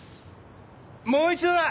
もう一度だ！